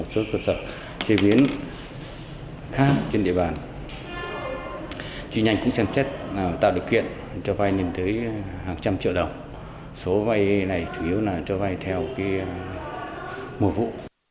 số vay này chủ yếu là cho vay theo mùa vụ